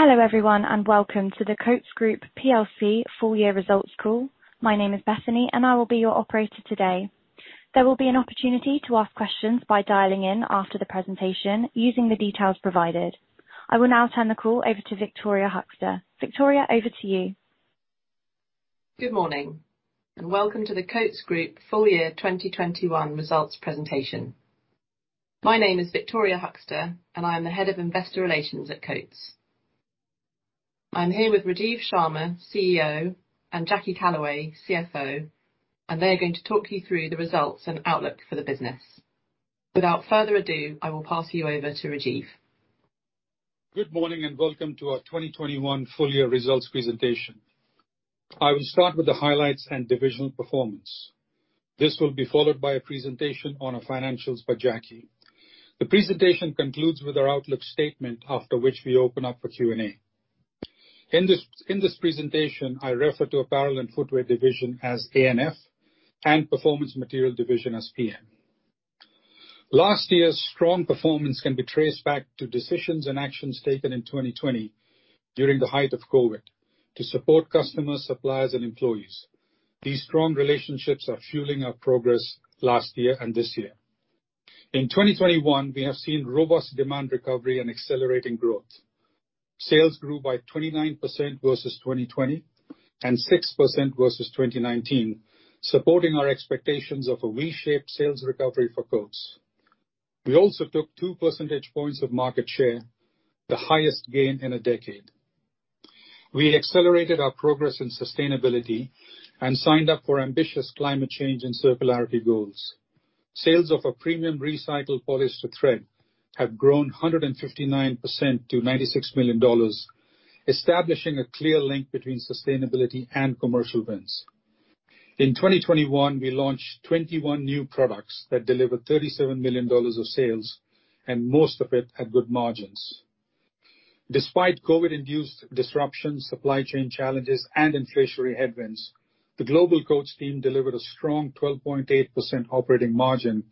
Hello, everyone, and welcome to the Coats Group plc full year results call. My name is Bethany, and I will be your operator today. There will be an opportunity to ask questions by dialing in after the presentation using the details provided. I will now turn the call over to Victoria Huxter. Victoria, over to you. Good morning, and welcome to the Coats Group full year 2021 results presentation. My name is Victoria Huxter, and I am the Head of Investor Relations at Coats. I'm here with Rajiv Sharma, CEO, and Jackie Callaway, CFO, and they are going to talk you through the results and outlook for the business. Without further ado, I will pass you over to Rajiv. Good morning, and welcome to our 2021 full year results presentation. I will start with the highlights and divisional performance. This will be followed by a presentation on our financials by Jackie. The presentation concludes with our outlook statement after which we open up for Q&A. In this presentation, I refer to apparel and footwear division as ANF and performance material division as PM. Last year's strong performance can be traced back to decisions and actions taken in 2020 during the height of COVID to support customers, suppliers, and employees. These strong relationships are fueling our progress last year and this year. In 2021, we have seen robust demand recovery and accelerating growth. Sales grew by 29% versus 2020 and 6% versus 2019, supporting our expectations of a V-shaped sales recovery for Coats. We also took two percentage points of market share, the highest gain in a decade. We accelerated our progress in sustainability and signed up for ambitious climate change and circularity goals. Sales of a premium recycled polyester thread have grown 159% to $96 million, establishing a clear link between sustainability and commercial wins. In 2021, we launched 21 new products that delivered $37 million of sales, and most of it had good margins. Despite COVID-induced disruptions, supply chain challenges, and inflationary headwinds, the global Coats team delivered a strong 12.8% operating margin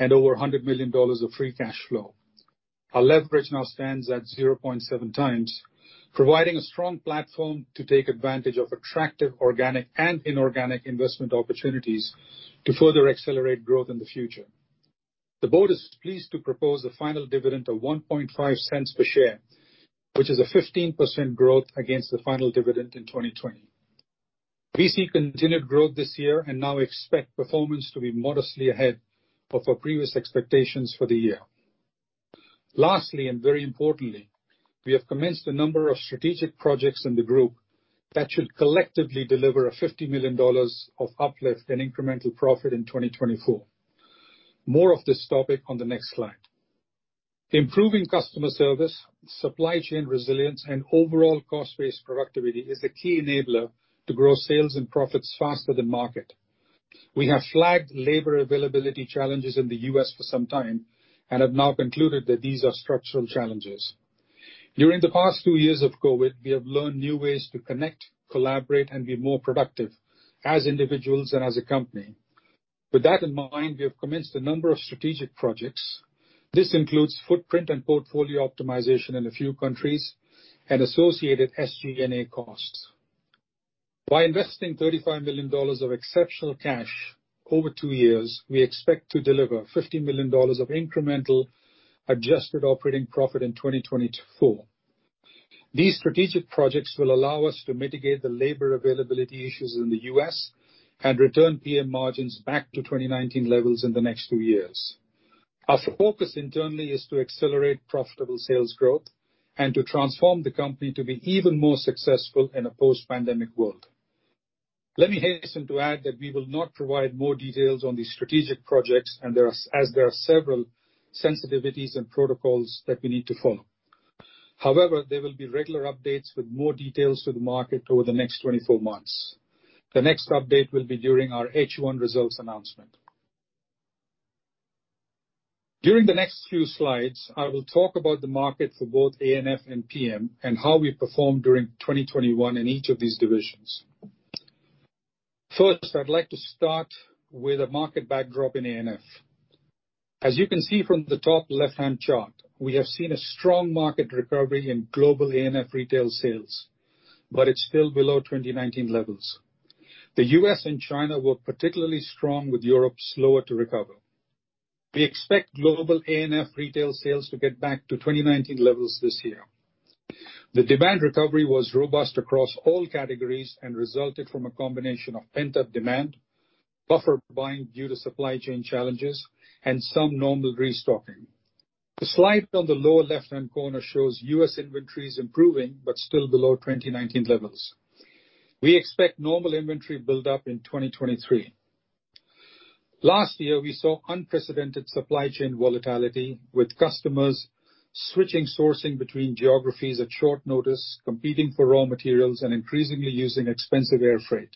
and over $100 million of free cash flow. Our leverage now stands at 0.7x, providing a strong platform to take advantage of attractive organic and inorganic investment opportunities to further accelerate growth in the future. The board is pleased to propose a final dividend of $0.015 per share, which is a 15% growth against the final dividend in 2020. We see continued growth this year and now expect performance to be modestly ahead of our previous expectations for the year. Lastly, and very importantly, we have commenced a number of strategic projects in the group that should collectively deliver $50 million of uplift in incremental profit in 2024. More of this topic on the next slide. Improving customer service, supply chain resilience, and overall cost-based productivity is a key enabler to grow sales and profits faster than market. We have flagged labor availability challenges in the U.S. for some time and have now concluded that these are structural challenges. During the past two years of COVID, we have learned new ways to connect, collaborate, and be more productive as individuals and as a company. With that in mind, we have commenced a number of strategic projects. This includes footprint and portfolio optimization in a few countries and associated SG&A costs. By investing $35 million of exceptional cash over two years, we expect to deliver $50 million of incremental adjusted operating profit in 2024. These strategic projects will allow us to mitigate the labor availability issues in the U.S. and return PM margins back to 2019 levels in the next two years. Our focus internally is to accelerate profitable sales growth and to transform the company to be even more successful in a post-pandemic world. Let me hasten to add that we will not provide more details on these strategic projects, and there are several sensitivities and protocols that we need to follow. However, there will be regular updates with more details to the market over the next 24 months. The next update will be during our H1 results announcement. During the next few slides, I will talk about the market for both ANF and PM and how we performed during 2021 in each of these divisions. First, I'd like to start with a market backdrop in ANF. As you can see from the top left-hand chart, we have seen a strong market recovery in global ANF retail sales, but it's still below 2019 levels. The U.S. and China were particularly strong, with Europe slower to recover. We expect global ANF retail sales to get back to 2019 levels this year. The demand recovery was robust across all categories and resulted from a combination of pent-up demand, buffer buying due to supply chain challenges, and some normal restocking. The slide on the lower left-hand corner shows U.S. inventories improving but still below 2019 levels. We expect normal inventory build-up in 2023. Last year, we saw unprecedented supply chain volatility, with customers switching sourcing between geographies at short notice, competing for raw materials, and increasingly using expensive air freight.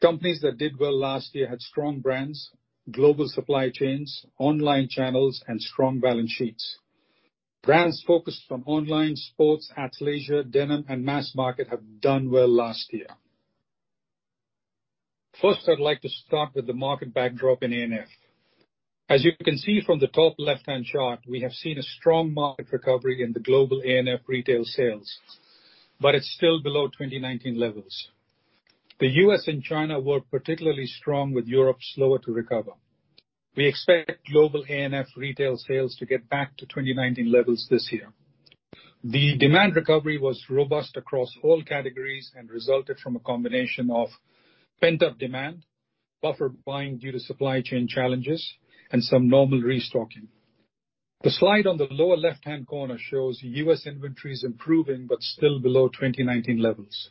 Companies that did well last year had strong brands, global supply chains, online channels, and strong balance sheets. Brands focused on online, sports, athleisure, denim, and mass market have done well last year. First, I'd like to start with the market backdrop in ANF. As you can see from the top left-hand chart, we have seen a strong market recovery in the global ANF retail sales, but it's still below 2019 levels. The U.S. and China were particularly strong, with Europe slower to recover. We expect global ANF retail sales to get back to 2019 levels this year. The demand recovery was robust across all categories and resulted from a combination of pent-up demand, buffer buying due to supply chain challenges, and some normal restocking. The slide on the lower left-hand corner shows U.S. inventories improving but still below 2019 levels.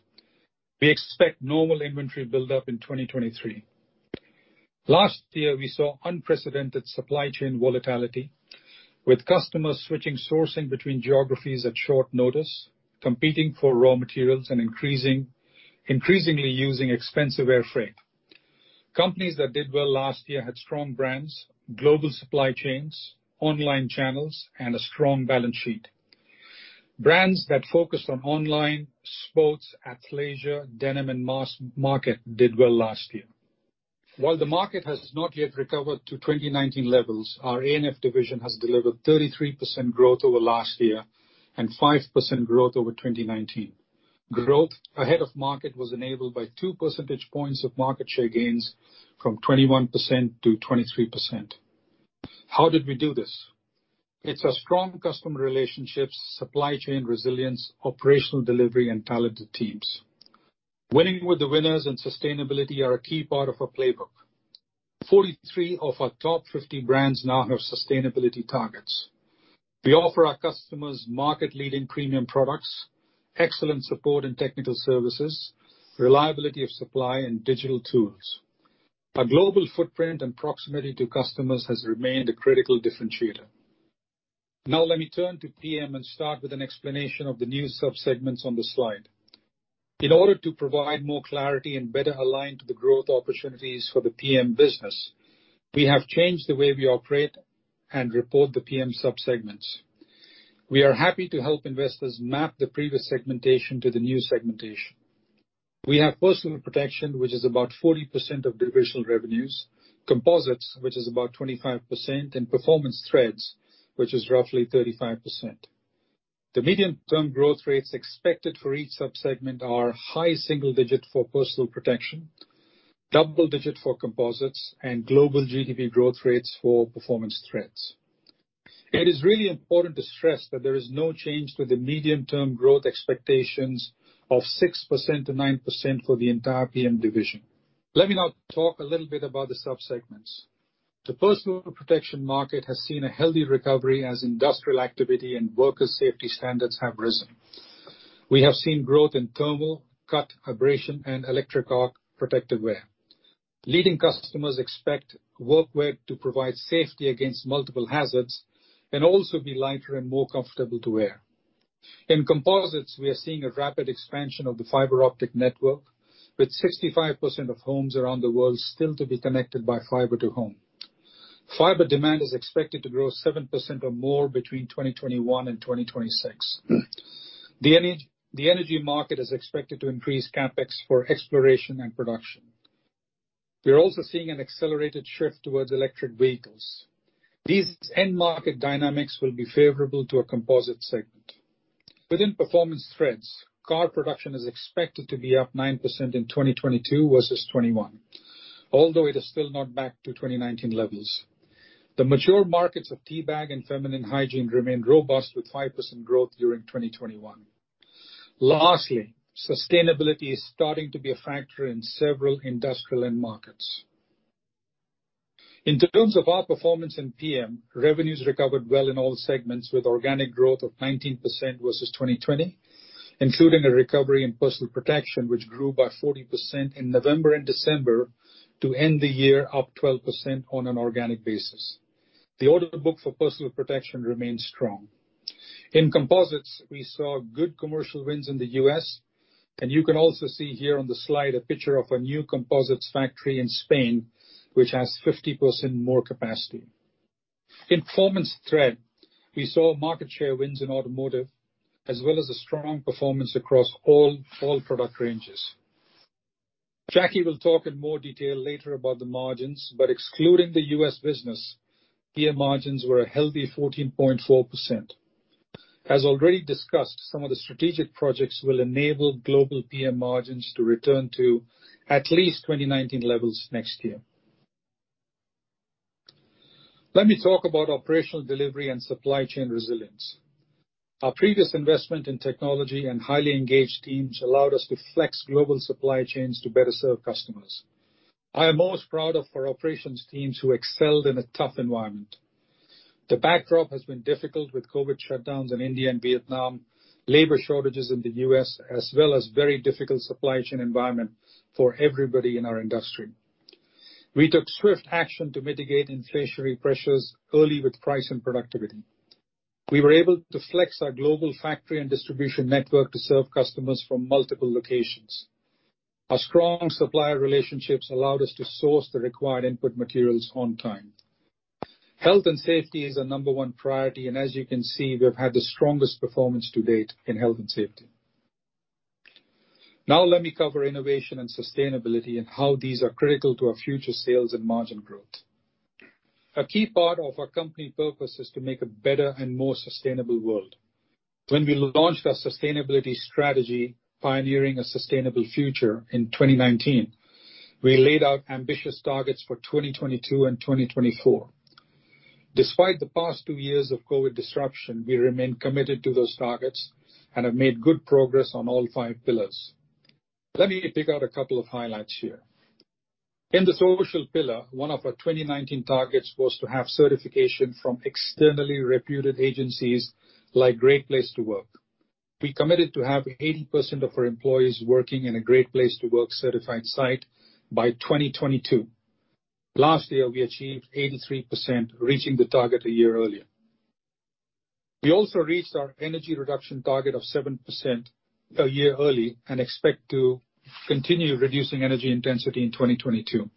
We expect normal inventory build-up in 2023. Last year, we saw unprecedented supply chain volatility, with customers switching sourcing between geographies at short notice, competing for raw materials and increasingly using expensive air freight. Companies that did well last year had strong brands, global supply chains, online channels, and a strong balance sheet. Brands that focused on online, sports, athleisure, denim, and mass market did well last year. While the market has not yet recovered to 2019 levels, our ANF division has delivered 33% growth over last year and 5% growth over 2019. Growth ahead of market was enabled by two percentage points of market share gains from 21% to 23%. How did we do this? It's our strong customer relationships, supply chain resilience, operational delivery, and talented teams. Winning with the winners and sustainability are a key part of our playbook. 43 of our top 50 brands now have sustainability targets. We offer our customers market-leading premium products, excellent support and technical services, reliability of supply, and digital tools. Our global footprint and proximity to customers has remained a critical differentiator. Now let me turn to PM and start with an explanation of the new subsegments on the slide. In order to provide more clarity and better align to the growth opportunities for the PM business, we have changed the way we operate and report the PM subsegments. We are happy to help investors map the previous segmentation to the new segmentation. We have Personal Protection, which is about 40% of divisional revenues, Composites, which is about 25%, and Performance Threads, which is roughly 35%. The medium-term growth rates expected for each subsegment are high single-digit for Personal Protection, double-digit for Composites, and global GDP growth rates for Performance Threads. It is really important to stress that there is no change to the medium-term growth expectations of 6%-9% for the entire PM division. Let me now talk a little bit about the subsegments. The Personal Protection market has seen a healthy recovery as industrial activity and worker safety standards have risen. We have seen growth in thermal, cut, abrasion, and electric arc protective wear. Leading customers expect workwear to provide safety against multiple hazards and also be lighter and more comfortable to wear. In Composites, we are seeing a rapid expansion of the fiber optic network, with 65% of homes around the world still to be connected by fiber to the home. Fiber demand is expected to grow 7% or more between 2021 and 2026. The energy market is expected to increase CapEx for exploration and production. We are also seeing an accelerated shift towards electric vehicles. These end market dynamics will be favorable to a Composites segment. Within Performance Threads, car production is expected to be up 9% in 2022 versus 2021, although it is still not back to 2019 levels. The mature markets of teabag and feminine hygiene remain robust with 5% growth during 2021. Lastly, sustainability is starting to be a factor in several industrial end markets. In terms of our performance in PM, revenues recovered well in all segments with organic growth of 19% versus 2020, including a recovery in Personal Protection, which grew by 40% in November and December to end the year up 12% on an organic basis. The order book for Personal Protection remains strong. In Composites, we saw good commercial wins in the U.S., and you can also see here on the slide a picture of our new Composites factory in Spain, which has 50% more capacity. In Performance Threads, we saw market share wins in automotive, as well as a strong performance across all product ranges. Jackie will talk in more detail later about the margins, but excluding the U.S. business, PM margins were a healthy 14.4%. As already discussed, some of the strategic projects will enable global PM margins to return to at least 2019 levels next year. Let me talk about operational delivery and supply chain resilience. Our previous investment in technology and highly engaged teams allowed us to flex global supply chains to better serve customers. I am most proud of our operations teams who excelled in a tough environment. The backdrop has been difficult with COVID shutdowns in India and Vietnam, labor shortages in the U.S., as well as very difficult supply chain environment for everybody in our industry. We took swift action to mitigate inflationary pressures early with price and productivity. We were able to flex our global factory and distribution network to serve customers from multiple locations. Our strong supplier relationships allowed us to source the required input materials on time. Health and safety is our number one priority, and as you can see, we have had the strongest performance to date in health and safety. Now let me cover innovation and sustainability and how these are critical to our future sales and margin growth. A key part of our company purpose is to make a better and more sustainable world. When we launched our sustainability strategy, Pioneering a Sustainable Future in 2019, we laid out ambitious targets for 2022 and 2024. Despite the past two years of COVID disruption, we remain committed to those targets and have made good progress on all five pillars. Let me pick out a couple of highlights here. In the social pillar, one of our 2019 targets was to have certification from externally reputed agencies like Great Place to Work. We committed to have 80% of our employees working in a Great Place to Work certified site by 2022. Last year, we achieved 83%, reaching the target a year earlier. We also reached our energy reduction target of 7% a year early and expect to continue reducing energy intensity in 2022.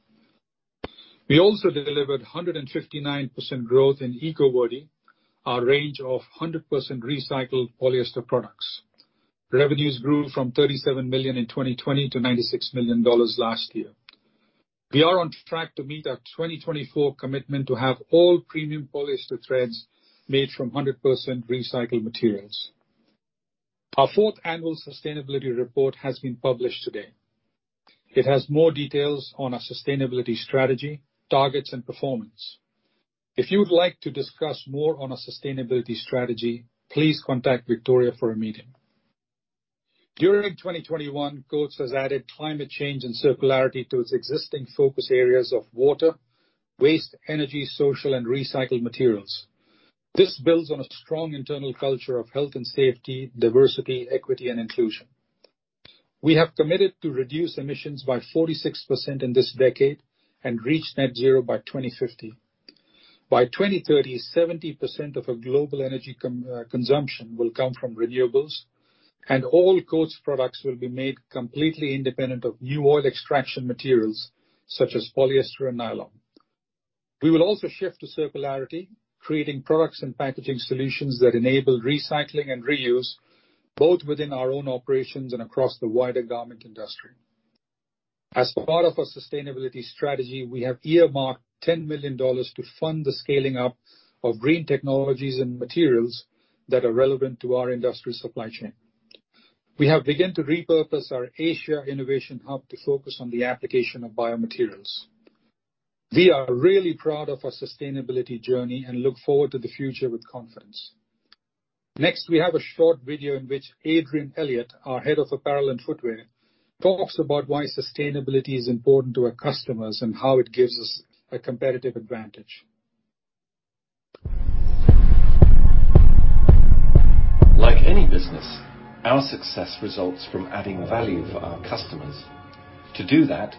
We also delivered 159% growth in EcoVerde, our range of 100% recycled polyester products. Revenues grew from $37 million in 2020 to $96 million last year. We are on track to meet our 2024 commitment to have all premium polyester threads made from 100% recycled materials. Our fourth annual sustainability report has been published today. It has more details on our sustainability strategy, targets and performance. If you would like to discuss more on our sustainability strategy, please contact Victoria for a meeting. During 2021, Coats has added climate change and circularity to its existing focus areas of water, waste, energy, social and recycled materials. This builds on a strong internal culture of health and safety, diversity, equity and inclusion. We have committed to reduce emissions by 46% in this decade and reach net zero by 2050. By 2030, 70% of our global energy consumption will come from renewables and all Coats products will be made completely independent of new oil extraction materials such as polyester and nylon. We will also shift to circularity, creating products and packaging solutions that enable recycling and reuse, both within our own operations and across the wider garment industry. As part of our sustainability strategy, we have earmarked $10 million to fund the scaling up of green technologies and materials that are relevant to our industrial supply chain. We have begun to repurpose our Asia Innovation Hub to focus on the application of biomaterials. We are really proud of our sustainability journey and look forward to the future with confidence. Next, we have a short video in which Adrian Elliott, our head of apparel and footwear, talks about why sustainability is important to our customers and how it gives us a competitive advantage. Like any business, our success results from adding value for our customers. To do that,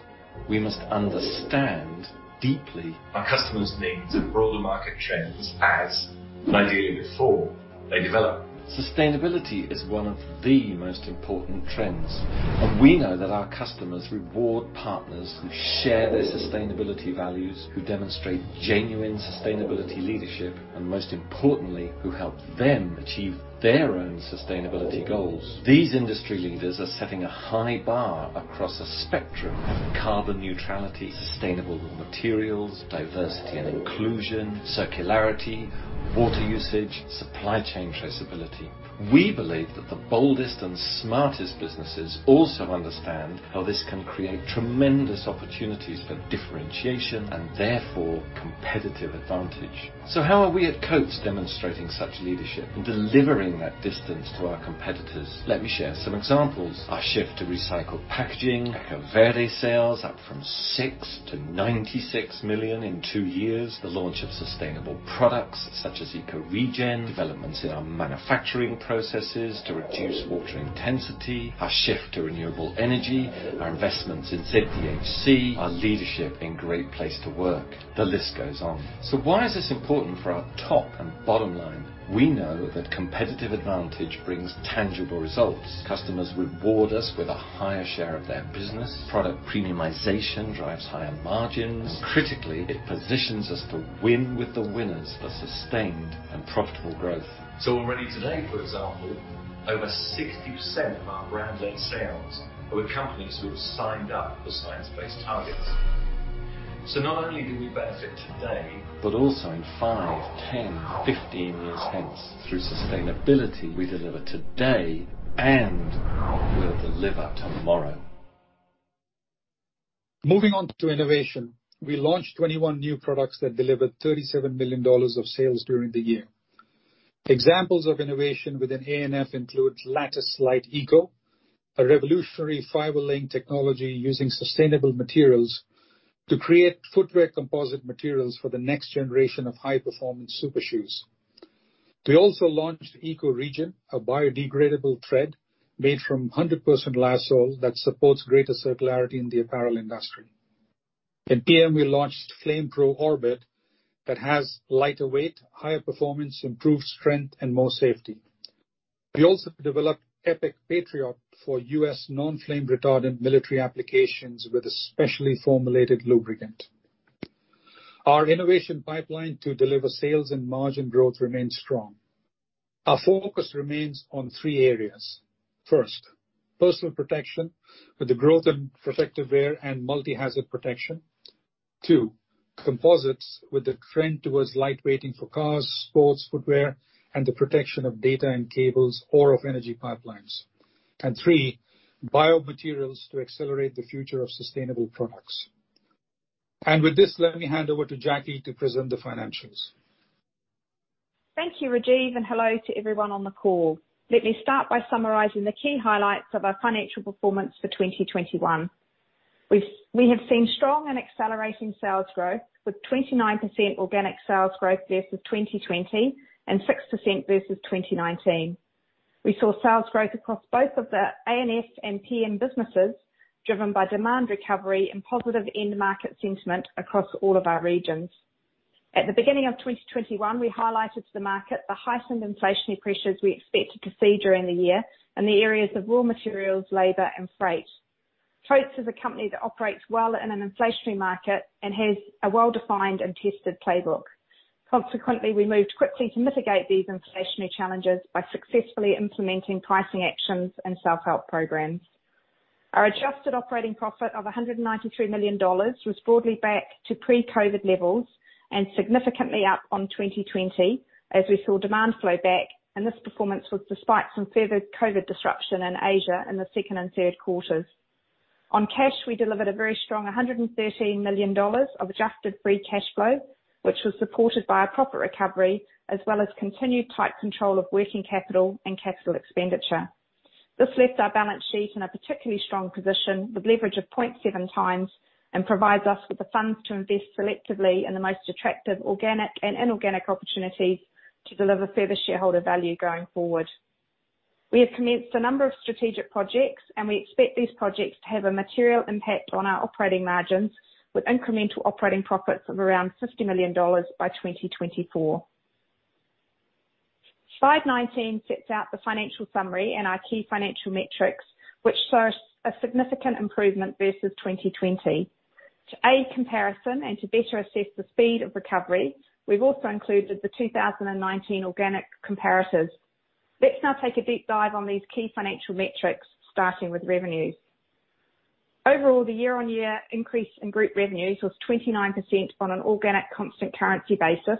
we must understand deeply our customers' needs and broader market trends as, and ideally before, they develop. Sustainability is one of the most important trends, and we know that our customers reward partners who share their sustainability values, who demonstrate genuine sustainability leadership, and most importantly, who help them achieve their own sustainability goals. These industry leaders are setting a high bar across a spectrum of carbon neutrality, sustainable materials, diversity and inclusion, circularity, water usage, supply chain traceability. We believe that the boldest and smartest businesses also understand how this can create tremendous opportunities for differentiation and therefore competitive advantage. How are we at Coats demonstrating such leadership and delivering that distinctness to our competitors? Let me share some examples. Our shift to recycled packaging. EcoVerde sales up from $6 million to $96 million in two years. The launch of sustainable products such as EcoRegen, developments in our manufacturing processes to reduce water intensity, our shift to renewable energy, our investments in Safety and Health, our leadership in Great Place to Work. The list goes on. Why is this important for our top and bottom line? We know that competitive advantage brings tangible results. Customers reward us with a higher share of their business. Product premiumization drives higher margins. Critically, it positions us to win with the winners for sustained and profitable growth. Already today, for example, over 60% of our brand led sales are with companies who have signed up for science-based targets. Not only do we benefit today, but also in five, 10, 15 years hence. Through sustainability, we deliver today and will deliver tomorrow. Moving on to innovation. We launched 21 new products that delivered $37 million of sales during the year. Examples of innovation within ANF include Lattice Lite Eco, a revolutionary fiber-laying technology using sustainable materials to create footwear composite materials for the next generation of high performance super shoes. We also launched EcoRegen, a biodegradable thread made from 100% lyocell that supports greater circularity in the apparel industry. In PM, we launched FlamePro Orbit that has lighter weight, higher performance, improved strength and more safety. We also developed Epic Patriot for U.S. non-flame retardant military applications with a specially formulated lubricant. Our innovation pipeline to deliver sales and margin growth remains strong. Our focus remains on three areas. First, Personal Protection with the growth in protective wear and multi-hazard protection. Two, Composites with the trend towards light weighting for cars, sports footwear, and the protection of data and cables or of energy pipelines. Three, biomaterials to accelerate the future of sustainable products. With this, let me hand over to Jackie to present the financials. Thank you, Rajiv, and hello to everyone on the call. Let me start by summarizing the key highlights of our financial performance for 2021. We have seen strong and accelerating sales growth with 29% organic sales growth versus 2020 and 6% versus 2019. We saw sales growth across both of the ANF and PM businesses, driven by demand recovery and positive end market sentiment across all of our regions. At the beginning of 2021, we highlighted to the market the heightened inflationary pressures we expected to see during the year in the areas of raw materials, labor, and freight. Coats is a company that operates well in an inflationary market and has a well-defined and tested playbook. Consequently, we moved quickly to mitigate these inflationary challenges by successfully implementing pricing actions and self-help programs. Our adjusted operating profit of $193 million was broadly back to pre-COVID levels and significantly up on 2020 as we saw demand flow back, and this performance was despite some further COVID disruption in Asia in the Q2 and Q3. On cash, we delivered a very strong $113 million of adjusted free cash flow, which was supported by a proper recovery as well as continued tight control of working capital and capital expenditure. This left our balance sheet in a particularly strong position with leverage of 0.7x and provides us with the funds to invest selectively in the most attractive organic and inorganic opportunities to deliver further shareholder value going forward. We have commenced a number of strategic projects, and we expect these projects to have a material impact on our operating margins with incremental operating profits of around $50 million by 2024. Slide 19 sets out the financial summary and our key financial metrics, which show us a significant improvement versus 2020. To aid comparison and to better assess the speed of recovery, we've also included the 2019 organic comparatives. Let's now take a deep dive on these key financial metrics, starting with revenues. Overall, the year-on-year increase in group revenues was 29% on an organic constant currency basis,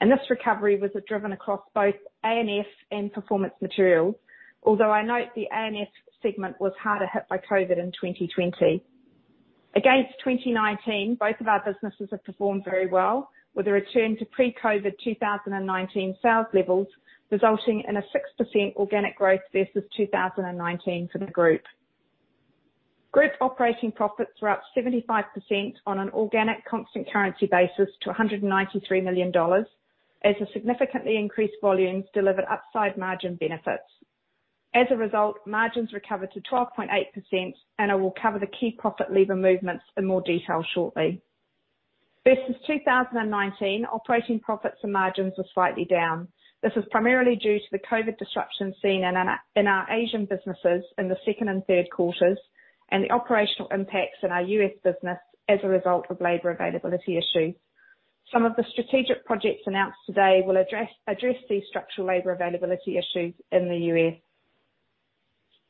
and this recovery was driven across both ANF and performance materials. Although I note the ANF segment was harder hit by COVID in 2020. Against 2019, both of our businesses have performed very well with a return to pre-COVID 2019 sales levels, resulting in a 6% organic growth versus 2019 for the group. Group operating profits were up 75% on an organic constant currency basis to $193 million as the significantly increased volumes delivered upside margin benefits. As a result, margins recovered to 12.8%, and I will cover the key profit lever movements in more detail shortly. Versus 2019, operating profits and margins were slightly down. This was primarily due to the COVID disruption seen in our Asian businesses in the second and Q3 and the operational impacts in our U.S. business as a result of labor availability issues. Some of the strategic projects announced today will address these structural labor availability issues in the U.S.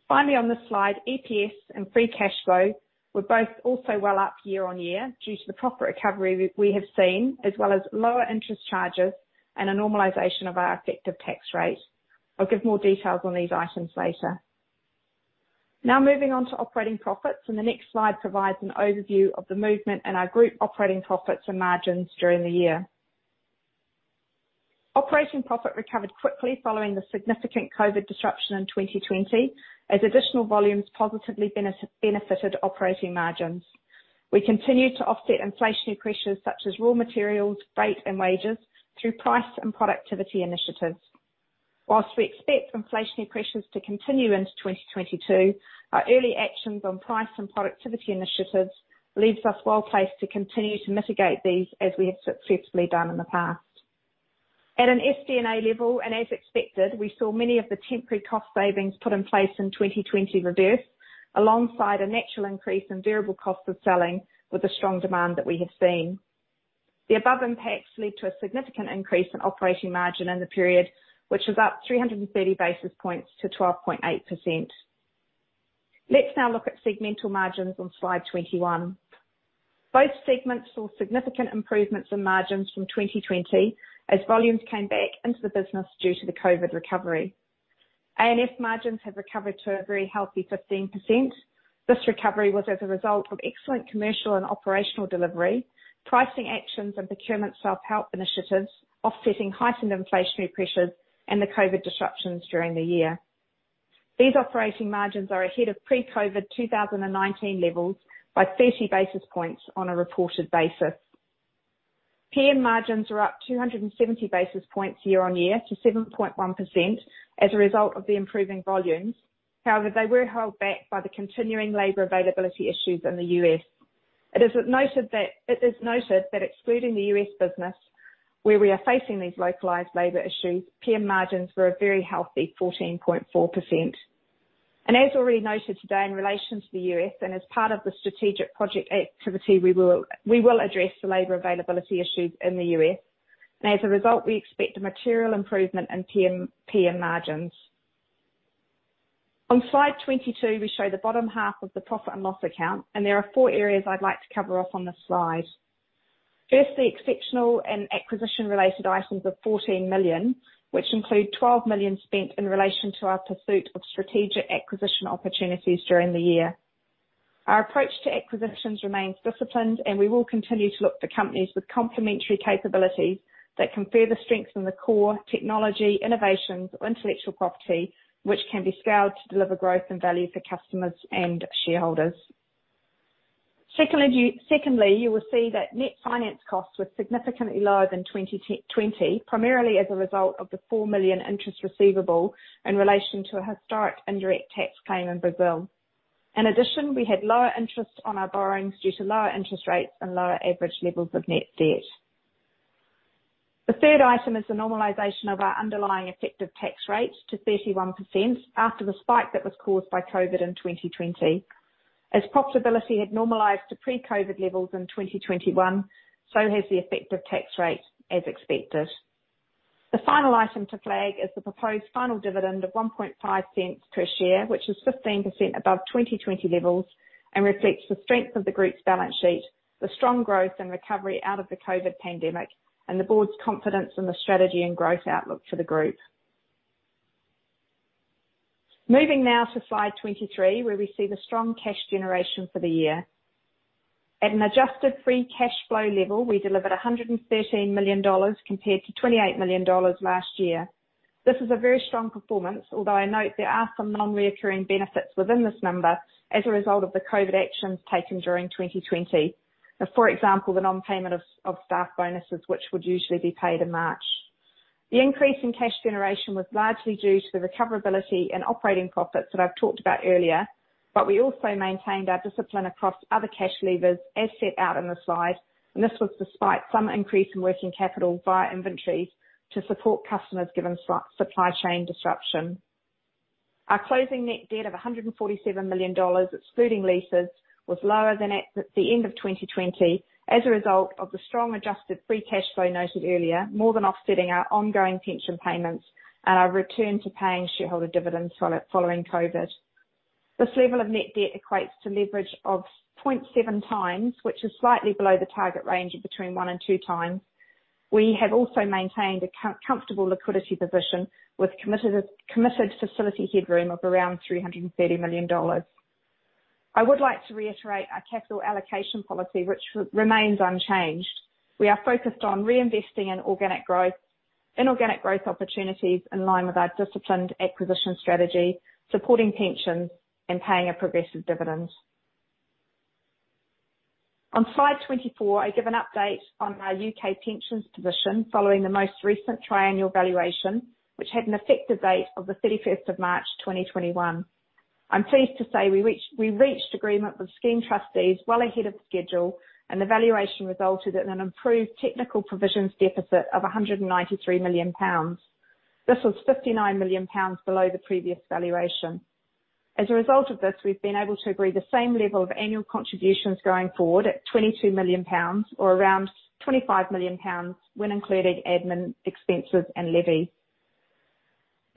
Finally, on this slide, EPS and free cash flow were both also well up year-on-year due to the proper recovery we have seen, as well as lower interest charges and a normalization of our effective tax rate. I'll give more details on these items later. Now moving on to operating profits. The next slide provides an overview of the movement in our group operating profits and margins during the year. Operating profit recovered quickly following the significant COVID disruption in 2020 as additional volumes positively benefited operating margins. We continued to offset inflationary pressures such as raw materials, rate, and wages through price and productivity initiatives. While we expect inflationary pressures to continue into 2022, our early actions on price and productivity initiatives leaves us well-placed to continue to mitigate these as we have successfully done in the past. At an SG&A level, and as expected, we saw many of the temporary cost savings put in place in 2020 reverse alongside a natural increase in variable costs of selling with the strong demand that we have seen. The above impacts led to a significant increase in operating margin in the period, which was up 330 basis points to 12.8%. Let's now look at segmental margins on slide 21. Both segments saw significant improvements in margins from 2020 as volumes came back into the business due to the COVID recovery. ANF margins have recovered to a very healthy 15%. This recovery was as a result of excellent commercial and operational delivery, pricing actions, and procurement self-help initiatives, offsetting heightened inflationary pressures and the COVID disruptions during the year. These operating margins are ahead of pre-COVID 2019 levels by 30 basis points on a reported basis. PM margins are up 270 basis points year-on-year to 7.1% as a result of the improving volumes. However, they were held back by the continuing labor availability issues in the U.S. It is noted that excluding the U.S. business, where we are facing these localized labor issues, PM margins were a very healthy 14.4%. As already noted today in relation to the U.S., and as part of the strategic project activity, we will address the labor availability issues in the U.S. As a result, we expect a material improvement in PM margins. On slide 22, we show the bottom half of the profit and loss account, and there are four areas I'd like to cover off on this slide. First, the exceptional and acquisition-related items of $14 million, which include $12 million spent in relation to our pursuit of strategic acquisition opportunities during the year. Our approach to acquisitions remains disciplined, and we will continue to look for companies with complementary capabilities that can further strengthen the core technology, innovations or intellectual property, which can be scaled to deliver growth and value for customers and shareholders. Secondly, you will see that net finance costs were significantly lower than 20, primarily as a result of the $4 million interest receivable in relation to a historic indirect tax claim in Brazil. In addition, we had lower interest on our borrowings due to lower interest rates and lower average levels of net debt. The third item is the normalization of our underlying effective tax rates to 31% after the spike that was caused by COVID in 2020. As profitability had normalized to pre-COVID levels in 2021, so has the effective tax rate as expected. The final item to flag is the proposed final dividend of $0.015 per share, which is 15% above 2020 levels, and reflects the strength of the group's balance sheet, the strong growth and recovery out of the COVID pandemic, and the board's confidence in the strategy and growth outlook for the group. Moving now to slide 23, where we see the strong cash generation for the year. At an adjusted free cash flow level, we delivered $113 million compared to $28 million last year. This is a very strong performance, although I note there are some non-recurring benefits within this number as a result of the COVID actions taken during 2020. For example, the non-payment of staff bonuses, which would usually be paid in March. The increase in cash generation was largely due to the recovery in operating profits that I've talked about earlier. We also maintained our discipline across other cash levers as set out in the slide, and this was despite some increase in working capital via inventories to support customers given supply chain disruption. Our closing net debt of $147 million, excluding leases, was lower than at the end of 2020 as a result of the strong adjusted free cash flow noted earlier, more than offsetting our ongoing pension payments and our return to paying shareholder dividends following COVID. This level of net debt equates to leverage of 0.7x, which is slightly below the target range of between one and two times. We have also maintained a comfortable liquidity position with committed facility headroom of around $330 million. I would like to reiterate our capital allocation policy, which remains unchanged. We are focused on reinvesting in organic growth, inorganic growth opportunities in line with our disciplined acquisition strategy, supporting pensions and paying our progressive dividends. On slide 24, I give an update on our U.K. pensions position following the most recent triennial valuation, which had an effective date of 31 March 2021. I'm pleased to say we reached agreement with scheme trustees well ahead of schedule, and the valuation resulted in an improved technical provisions deficit of 193 million pounds. This was 59 million pounds below the previous valuation. As a result of this, we've been able to agree the same level of annual contributions going forward at 22 million pounds or around 25 million pounds when including admin expenses and levy.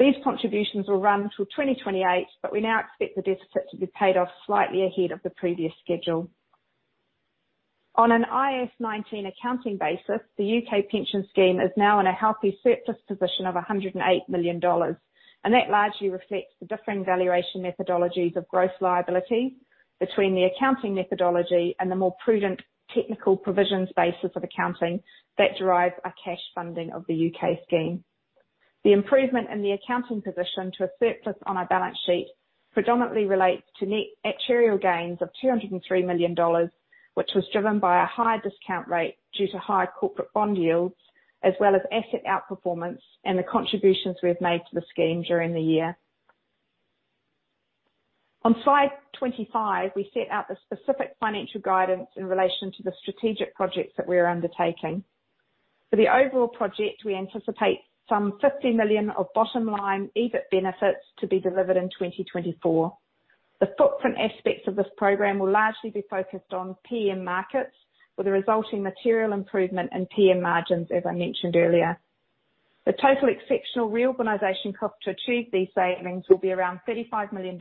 These contributions will run till 2028, but we now expect the deficit to be paid off slightly ahead of the previous schedule. On an IAS 19 accounting basis, the U.K. pension scheme is now in a healthy surplus position of $108 million, and that largely reflects the differing valuation methodologies of gross liability between the accounting methodology and the more prudent technical provisions basis of accounting that derives our cash funding of the U.K. scheme. The improvement in the accounting position to a surplus on our balance sheet predominantly relates to net actuarial gains of $203 million, which was driven by a higher discount rate due to higher corporate bond yields, as well as asset outperformance and the contributions we have made to the scheme during the year. On slide 25, we set out the specific financial guidance in relation to the strategic projects that we are undertaking. For the overall project, we anticipate some $50 million of bottom line EBIT benefits to be delivered in 2024. The footprint aspects of this program will largely be focused on PM markets, with a resulting material improvement in PM margins, as I mentioned earlier. The total exceptional reorganization cost to achieve these savings will be around $35 million,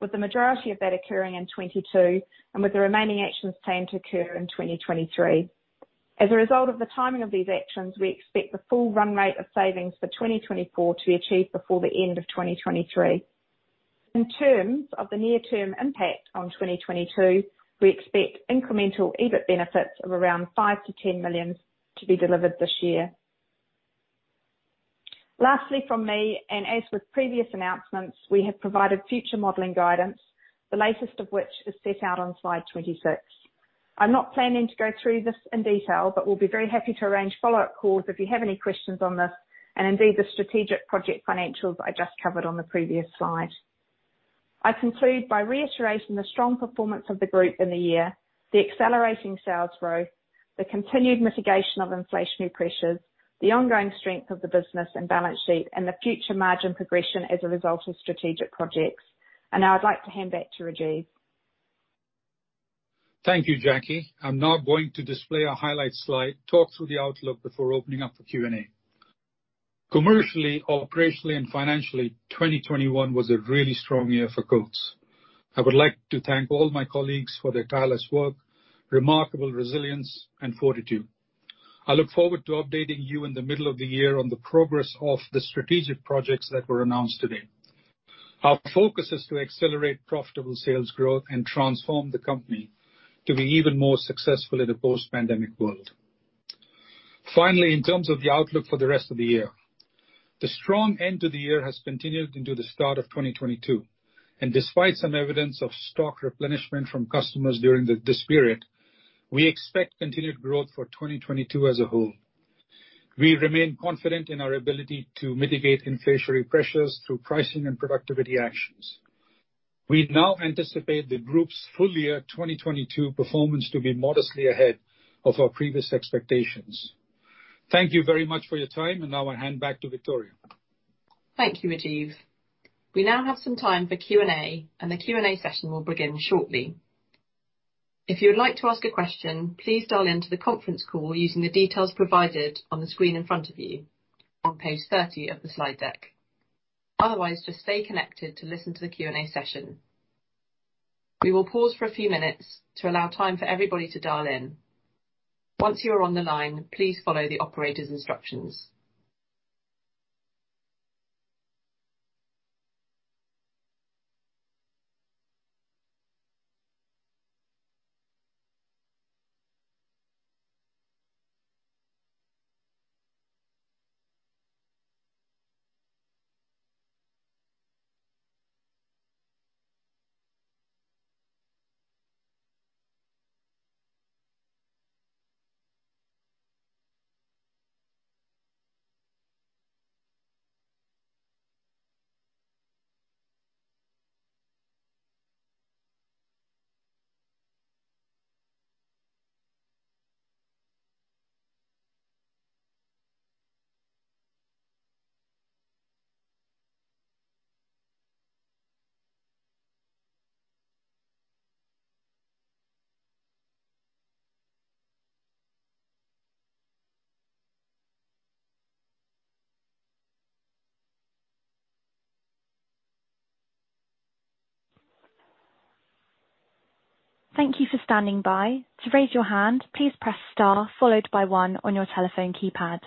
with the majority of that occurring in 2022 and with the remaining actions planned to occur in 2023. As a result of the timing of these actions, we expect the full run rate of savings for 2024 to be achieved before the end of 2023. In terms of the near-term impact on 2022, we expect incremental EBIT benefits of around $5 million-$10 million to be delivered this year. Lastly from me, and as with previous announcements, we have provided future modeling guidance, the latest of which is set out on slide 26. I'm not planning to go through this in detail, but we'll be very happy to arrange follow-up calls if you have any questions on this. Indeed, the strategic project financials I just covered on the previous slide. I conclude by reiterating the strong performance of the group in the year, the accelerating sales growth, the continued mitigation of inflationary pressures, the ongoing strength of the business and balance sheet, and the future margin progression as a result of strategic projects. Now I'd like to hand back to Rajiv. Thank you, Jackie. I'm now going to display our highlight slide, talk through the outlook before opening up for Q&A. Commercially, operationally, and financially, 2021 was a really strong year for Coats. I would like to thank all my colleagues for their tireless work, remarkable resilience, and fortitude. I look forward to updating you in the middle of the year on the progress of the strategic projects that were announced today. Our focus is to accelerate profitable sales growth and transform the company to be even more successful in a post-pandemic world. Finally, in terms of the outlook for the rest of the year. The strong end to the year has continued into the start of 2022, and despite some evidence of stock replenishment from customers during this period, we expect continued growth for 2022 as a whole. We remain confident in our ability to mitigate inflationary pressures through pricing and productivity actions. We now anticipate the group's full year 2022 performance to be modestly ahead of our previous expectations. Thank you very much for your time, and now I hand back to Victoria. Thank you, Rajiv. We now have some time for Q&A, and the Q&A session will begin shortly. If you would like to ask a question, please dial into the conference call using the details provided on the screen in front of you on page 30 of the slide deck. Otherwise, just stay connected to listen to the Q&A session. We will pause for a few minutes to allow time for everybody to dial in. Once you are on the line, please follow the operator's instructions. Thank you for standing by. To raise your hand, please press star followed by one on your telephone keypad.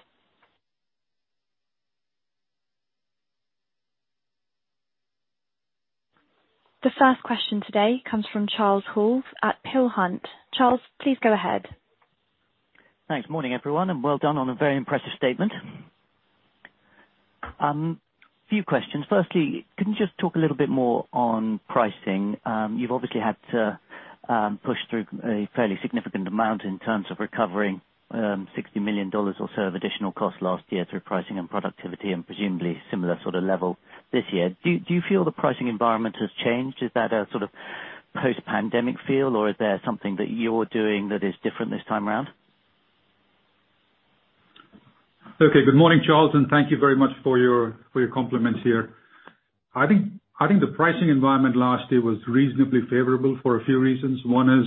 The first question today comes from Charles Hall at Peel Hunt. Charles, please go ahead. Thanks. Morning, everyone, and well done on a very impressive statement. Few questions. Firstly, can you just talk a little bit more on pricing? You've obviously had to push through a fairly significant amount in terms of recovering $60 million or so of additional cost last year through pricing and productivity, and presumably similar sort of level this year. Do you feel the pricing environment has changed? Is that a sort of post-pandemic feel, or is there something that you're doing that is different this time around? Okay. Good morning, Charles, and thank you very much for your compliments here. I think the pricing environment last year was reasonably favorable for a few reasons. One is,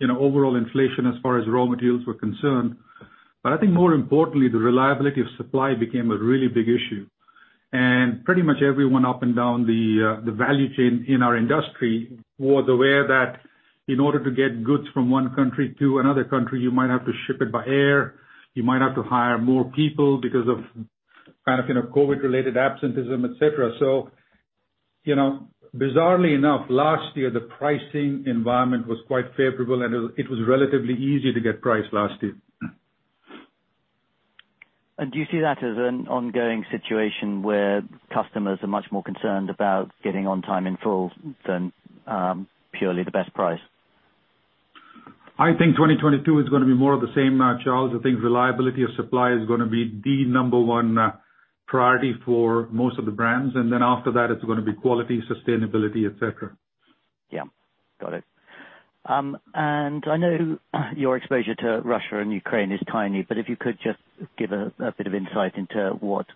you know, overall inflation as far as raw materials were concerned. But I think more importantly, the reliability of supply became a really big issue. Pretty much everyone up and down the value chain in our industry was aware that in order to get goods from one country to another country, you might have to ship it by air, you might have to hire more people because of, kind of, you know, COVID-related absenteeism, et cetera. So, you know, bizarrely enough, last year, the pricing environment was quite favorable and it was relatively easy to get price last year. Do you see that as an ongoing situation where customers are much more concerned about getting on time in full than purely the best price? I think 2022 is gonna be more of the same, Charles. I think reliability of supply is gonna be the number one priority for most of the brands. After that it's gonna be quality, sustainability, et cetera. Yeah. Got it. I know your exposure to Russia and Ukraine is tiny, but if you could just give a bit of insight into what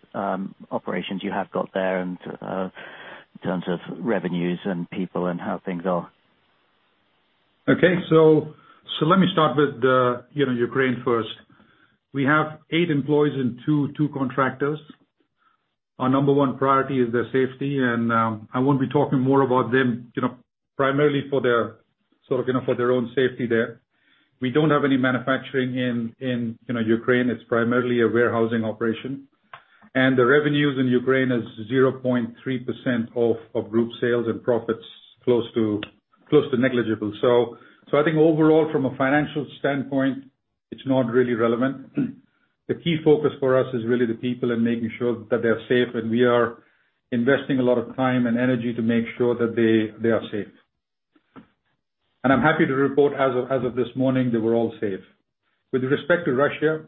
operations you have got there in terms of revenues and people and how things are. Okay. Let me start with, you know, Ukraine first. We have eight employees and two contractors. Our number one priority is their safety, and I won't be talking more about them, you know, primarily for their, sort of, you know, for their own safety there. We don't have any manufacturing in, you know, Ukraine. It's primarily a warehousing operation. The revenues in Ukraine is 0.3% of group sales and profits, close to negligible. I think overall from a financial standpoint, it's not really relevant. The key focus for us is really the people and making sure that they're safe, and we are investing a lot of time and energy to make sure that they are safe. I'm happy to report as of this morning, they were all safe. With respect to Russia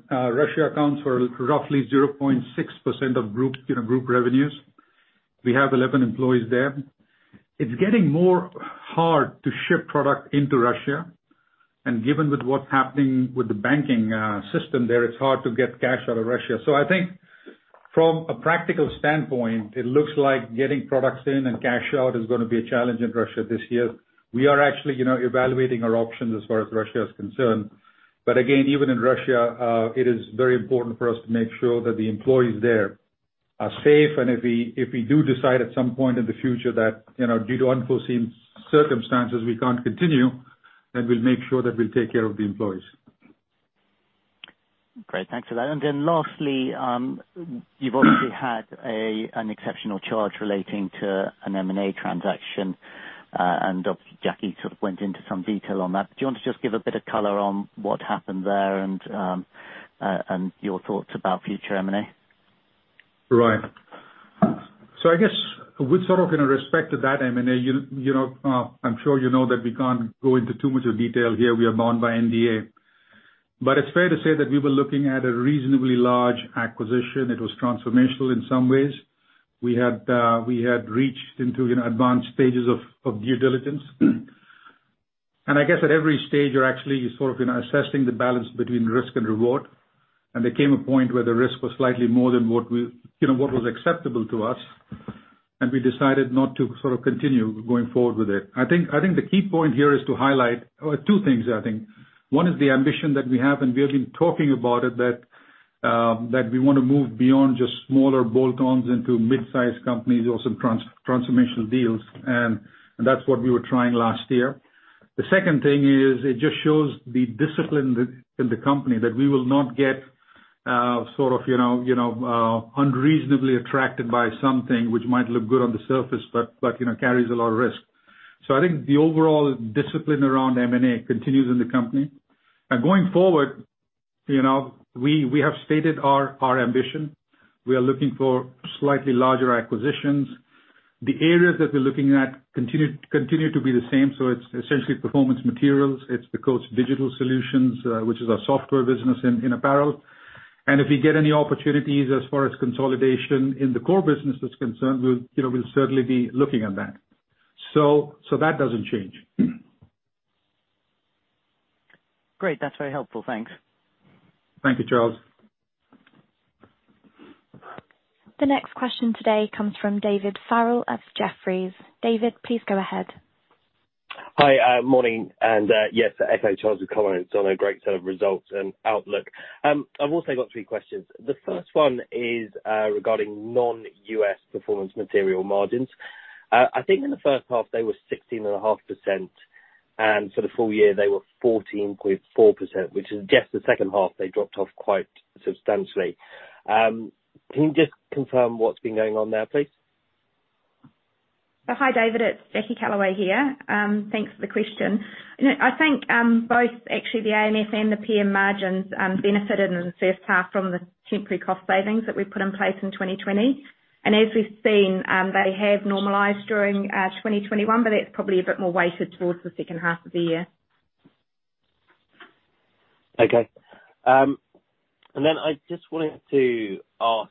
accounts for roughly 0.6% of group, you know, group revenues. We have 11 employees there. It's getting more hard to ship product into Russia. Given with what's happening with the banking system there, it's hard to get cash out of Russia. I think from a practical standpoint, it looks like getting products in and cash out is gonna be a challenge in Russia this year. We are actually, you know, evaluating our options as far as Russia is concerned. Again, even in Russia, it is very important for us to make sure that the employees there are safe. If we do decide at some point in the future that, you know, due to unforeseen circumstances, we can't continue, then we'll make sure that we'll take care of the employees. Great. Thanks for that. Lastly, you've already had an exceptional charge relating to an M&A transaction, and Jackie sort of went into some detail on that. Do you want to just give a bit of color on what happened there and your thoughts about future M&A? Right. I guess with sort of in respect to that M&A, you know, I'm sure you know that we can't go into too much of detail here. We are bound by NDA. It's fair to say that we were looking at a reasonably large acquisition. It was transformational in some ways. We had reached into, you know, advanced stages of due diligence. I guess at every stage, you're actually sort of, you know, assessing the balance between risk and reward. There came a point where the risk was slightly more than what you know was acceptable to us, and we decided not to sort of continue going forward with it. I think the key point here is to highlight two things, I think. One is the ambition that we have, and we have been talking about it, that we wanna move beyond just smaller bolt-ons into mid-sized companies or some transformational deals. That's what we were trying last year. The second thing is it just shows the discipline that in the company that we will not get sort of you know unreasonably attracted by something which might look good on the surface, but you know carries a lot of risk. I think the overall discipline around M&A continues in the company. Going forward, you know, we have stated our ambition. We are looking for slightly larger acquisitions. The areas that we're looking at continue to be the same. It's essentially performance materials. It's the Coats Digital Solutions, which is our software business in apparel. If we get any opportunities as far as consolidation in the core business is concerned, we'll, you know, we'll certainly be looking at that. That doesn't change. Great. That's very helpful. Thanks. Thank you, Charles. The next question today comes from David Farrell of Jefferies. David, please go ahead. Hi. Morning. Yes, echo Charles Hall's comments on a great set of results and outlook. I've also got three questions. The first one is regarding non-US performance material margins. I think in the H1, they were 16.5%, and for the full year, they were 14.4%, which is just the H2, they dropped off quite substantially. Can you just confirm what's been going on there, please? Hi, David. It's Jackie Callaway here. Thanks for the question. You know, I think both actually the ANF and the PM margins benefited in the H1 from the temporary cost savings that we put in place in 2020. As we've seen, they have normalized during 2021, but that's probably a bit more weighted towards the H2 of the year. Okay. I just wanted to ask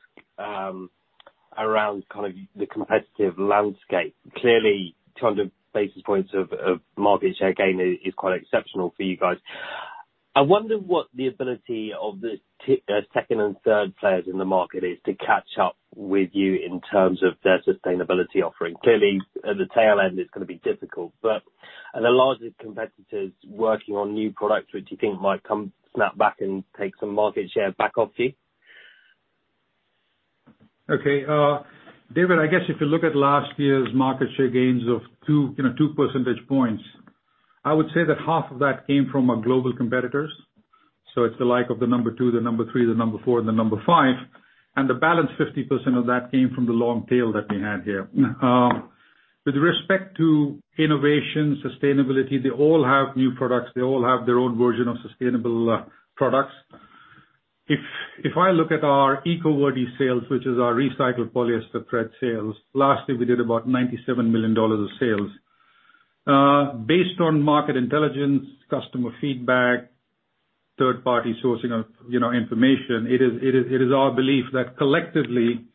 around kind of the competitive landscape. Clearly, 200 basis points of market share gain is quite exceptional for you guys. I wonder what the ability of the second and third players in the market is to catch up with you in terms of their sustainability offering. Clearly, at the tail end, it's gonna be difficult. Are the larger competitors working on new products which you think might come snap back and take some market share back off you? Okay. David, I guess if you look at last year's market share gains of two, you know, two percentage points, I would say that half of that came from our global competitors. It's the likes of the number two, the number three, the number four and the number five. The balance 50% of that came from the long tail that we had here. With respect to innovation, sustainability, they all have new products. They all have their own version of sustainable products. If I look at our EcoVerde sales, which is our recycled polyester thread sales, last year we did about $97 million of sales. Based on market intelligence, customer feedback, third-party sourcing of, you know, information, it is our belief that collectively,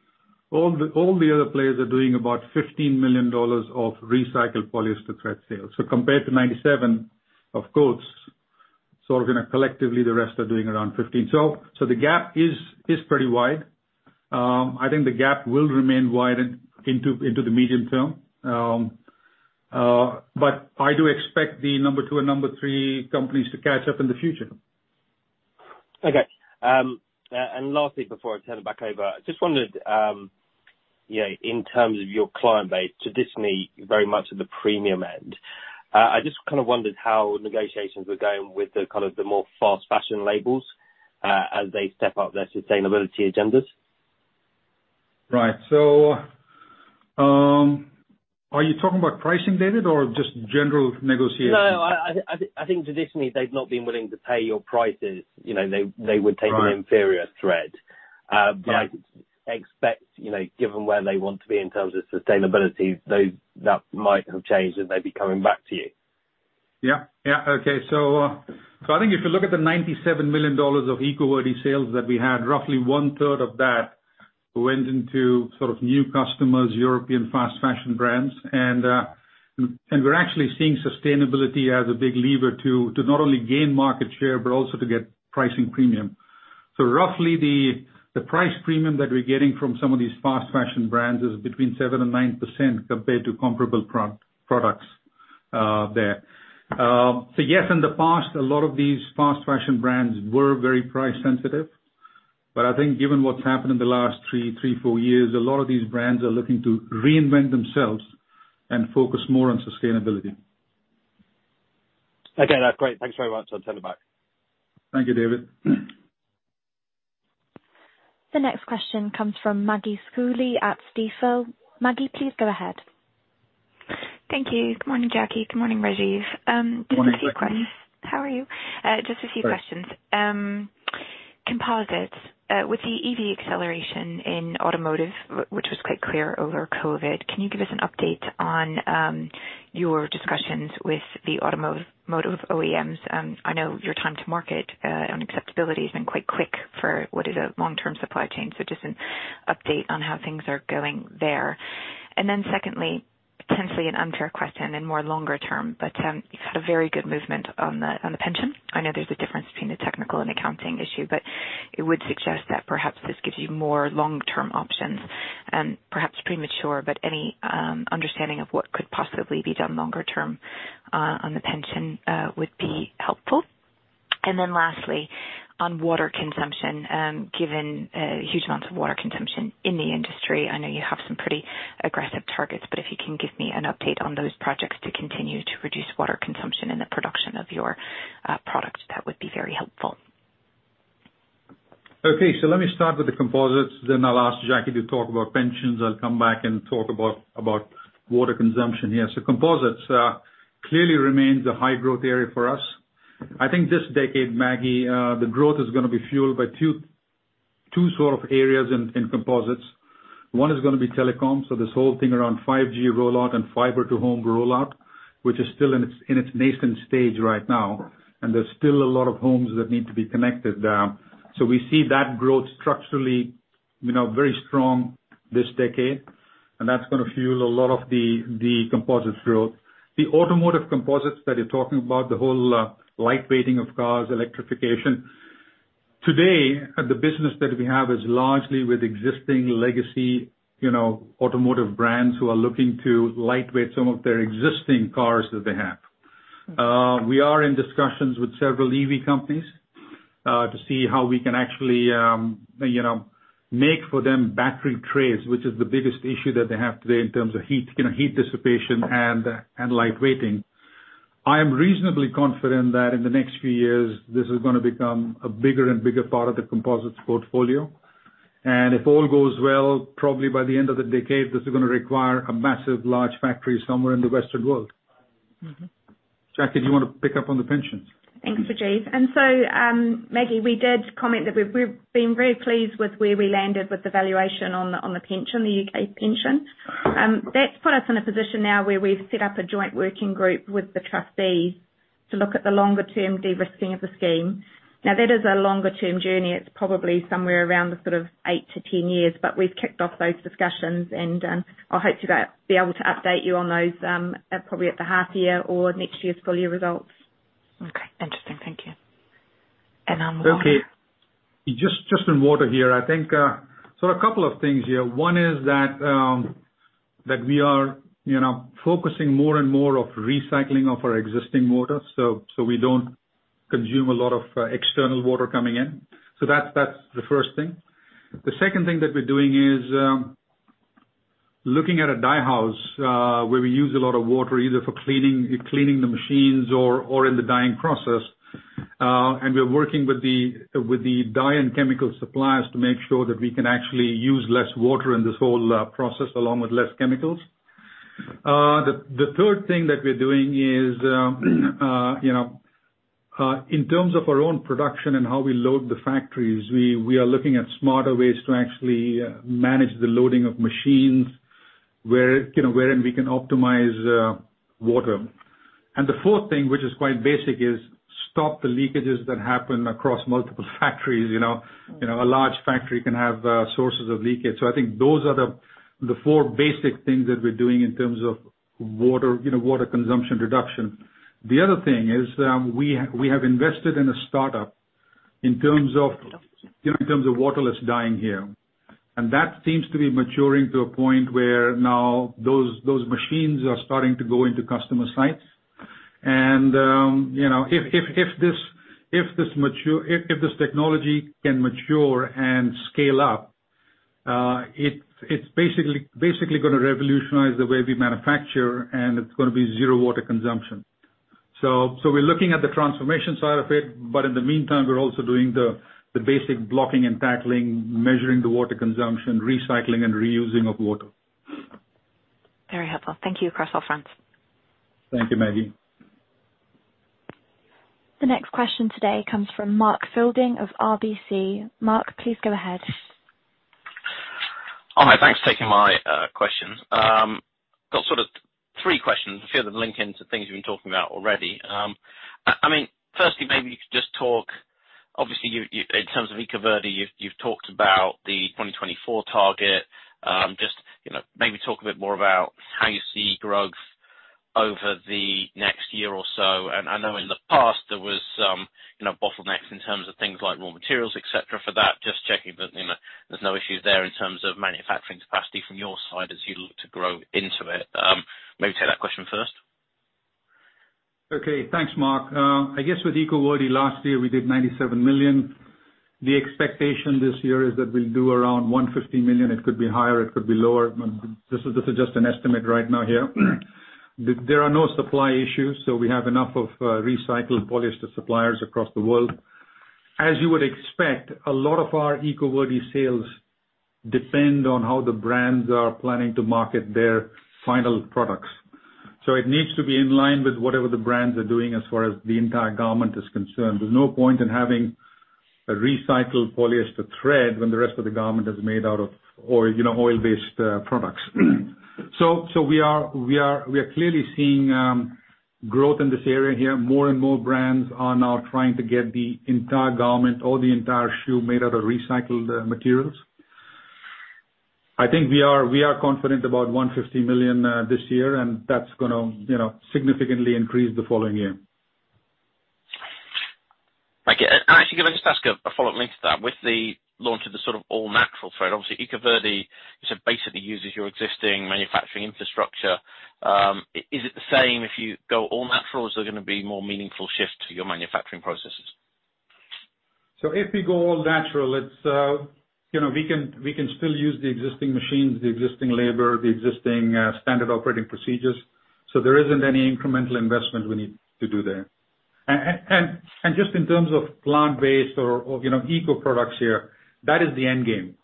all the other players are doing about $15 million of recycled polyester thread sales. Compared to 97%, of course, sort of gonna collectively, the rest are doing around 15%. The gap is pretty wide. I think the gap will remain wide into the medium term. I do expect the number two and number three companies to catch up in the future. Okay. Lastly, before I turn it back over, I just wondered, you know, in terms of your client base, traditionally, very much at the premium end, I just kind of wondered how negotiations were going with the kind of more fast fashion labels, as they step up their sustainability agendas. Right. Are you talking about pricing, David, or just general negotiations? No, I think traditionally they've not been willing to pay your prices. You know, they would Right. Take an inferior thread. But I expect, you know, given where they want to be in terms of sustainability, though that might have changed as they'd be coming back to you. I think if you look at the $97 million of EcoVerde sales that we had, roughly one-third of that went into sort of new customers, European fast fashion brands. We're actually seeing sustainability as a big lever to not only gain market share but also to get pricing premium. Roughly the price premium that we're getting from some of these fast fashion brands is between 7%-9% compared to comparable products there. Yes, in the past, a lot of these fast fashion brands were very price sensitive, but I think given what's happened in the last three, four years, a lot of these brands are looking to reinvent themselves and focus more on sustainability. Okay. That's great. Thanks very much. I'll send it back. Thank you, David. The next question comes from Maggie Schooley at Stifel. Maggie, please go ahead. Thank you. Good morning, Jackie. Good morning, Rajiv. Good morning. How are you? Just a few questions. Composites, with the EV acceleration in automotive, which was quite clear over COVID, can you give us an update on your discussions with the automotive OEMs? I know your time to market on acceptability has been quite quick for what is a long-term supply chain. Just an update on how things are going there. Secondly, potentially an unfair question and more longer term, but you've had a very good movement on the pension. I know there's a difference between the technical and accounting issue, but it would suggest that perhaps this gives you more long-term options and perhaps premature, but any understanding of what could possibly be done longer term on the pension would be helpful. Lastly, on water consumption, given huge amounts of water consumption in the industry, I know you have some pretty aggressive targets, but if you can give me an update on those projects to continue to reduce water consumption in the production of your product, that would be very helpful. Okay. Let me start with the Composites then I'll ask Jackie to talk about pensions. I'll come back and talk about water consumption here. Composites clearly remains a high growth area for us. I think this decade, Maggie, the growth is gonna be fueled by two sort of areas in Composites. One is gonna be telecom, so this whole thing around 5G rollout and fiber to the home rollout, which is still in its nascent stage right now. And there's still a lot of homes that need to be connected there. We see that growth structurally, you know, very strong this decade, and that's gonna fuel a lot of the Composites growth. The automotive Composites that you're talking about, the whole light weighting of cars, electrification. Today, the business that we have is largely with existing legacy, you know, automotive brands who are looking to lightweight some of their existing cars that they have. We are in discussions with several EV companies to see how we can actually, you know, make for them battery trays, which is the biggest issue that they have today in terms of heat, you know, heat dissipation and light weighting. I am reasonably confident that in the next few years, this is gonna become a bigger and bigger part of the Composites portfolio. If all goes well, probably by the end of the decade, this is gonna require a massive large factory somewhere in the Western world. Jackie, do you wanna pick up on the pensions? Thanks, Rajiv. Maggie, we did comment that we've been very pleased with where we landed with the valuation on the pension, the UK pension. That's put us in a position now where we've set up a joint working group with the trustees to look at the longer term de-risking of the scheme. That is a longer term journey. It's probably somewhere around the sort of eight to ten years, but we've kicked off those discussions and I'll hope to be able to update you on those probably at the half year or next year's full year results. Okay. Interesting. Thank you. On water- Okay. Just on water here, I think, so a couple of things here. One is that we are, you know, focusing more and more on recycling of our existing water, so we don't consume a lot of external water coming in. That's the first thing. The second thing that we're doing is looking at a dye house where we use a lot of water, either for cleaning the machines or in the dyeing process. We're working with the dye and chemical suppliers to make sure that we can actually use less water in this whole process, along with less chemicals. The third thing that we're doing is, you know, in terms of our own production and how we load the factories, we are looking at smarter ways to actually manage the loading of machines where, you know, wherein we can optimize water. The fourth thing, which is quite basic, is stop the leakages that happen across multiple factories, you know. You know, a large factory can have sources of leakage. I think those are the four basic things that we're doing in terms of water, you know, water consumption reduction. The other thing is, we have invested in a startup in terms of waterless dyeing here, and that seems to be maturing to a point where now those machines are starting to go into customer sites. You know, if this technology can mature and scale up, it's basically gonna revolutionize the way we manufacture and it's gonna be zero water consumption. We're looking at the transformation side of it, but in the meantime, we're also doing the basic blocking and tackling, measuring the water consumption, recycling and reusing of water. Very helpful. Thank you across all fronts. Thank you, Maggie. The next question today comes from Mark Fielding of RBC. Mark, please go ahead. All right, thanks for taking my question. Got sort of three questions. A few of them link into things you've been talking about already. I mean, firstly, obviously you in terms of EcoVerde, you've talked about the 2024 target. Just, you know, maybe talk a bit more about how you see growth over the next year or so. I know in the past there was, you know, bottlenecks in terms of things like raw materials, et cetera, for that. Just checking that, you know, there's no issues there in terms of manufacturing capacity from your side as you look to grow into it. Maybe take that question first. Okay. Thanks, Mark. I guess with EcoVerde, last year we did $97 million. The expectation this year is that we'll do around $150 million. It could be higher, it could be lower. This is just an estimate right now here. There are no supply issues, so we have enough of recycled polyester suppliers across the world. As you would expect, a lot of our EcoVerde sales depend on how the brands are planning to market their final products. It needs to be in line with whatever the brands are doing as far as the entire garment is concerned. There's no point in having a recycled polyester thread when the rest of the garment is made out of oil, you know, oil-based products. We are clearly seeing growth in this area here. More and more brands are now trying to get the entire garment or the entire shoe made out of recycled materials. I think we are confident about $150 million this year, and that's gonna, you know, significantly increase the following year. Thank you. Actually, can I just ask a follow-up linked to that. With the launch of the sort of all-natural thread, obviously EcoVerde, you said basically uses your existing manufacturing infrastructure. Is it the same if you go all-natural, or is there gonna be more meaningful shifts to your manufacturing processes? If we go all natural, it's we can still use the existing machines, the existing labor, the existing standard operating procedures. There isn't any incremental investment we need to do there. Just in terms of plant-based or eco products here, that is the end game.